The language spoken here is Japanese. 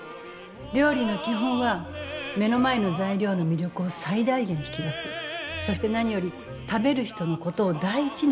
料理の基本は目の前の材料の魅力を最大限引き出すそして何より食べる人のことを第一に考えること。